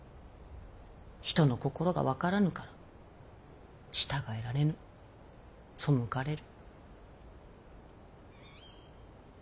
人の心が分からぬから従えられぬ背かれる。